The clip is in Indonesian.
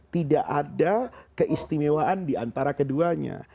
tidak ada keistimewaan diantara keduanya